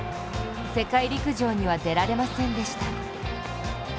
世界陸上には出られませんでした。